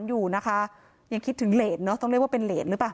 นี่ค่ะคือที่นี้ตัวใยทวดที่ทำให้สามีเธอเสียชีวิตรึเปล่าแล้วก็ไปพบศพในคลองหลังบ้าน